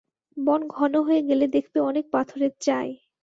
বন ঘন হয়ে গেলে দেখবে অনেক পাথরের চাঁই।